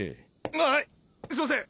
あっはいすみません。